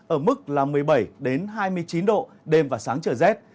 ở mức là một mươi bảy hai mươi chín độ đêm và sáng trở rét